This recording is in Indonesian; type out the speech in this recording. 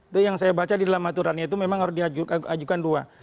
itu yang saya baca di dalam aturannya itu memang harus diajukan dua